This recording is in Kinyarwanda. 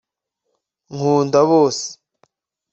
nkunda bose